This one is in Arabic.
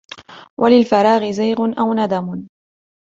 وَلِلْفَرَاغِ زَيْغٌ أَوْ نَدَمٌ